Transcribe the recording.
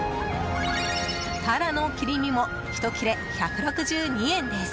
タラの切り身もひと切れ１６２円です。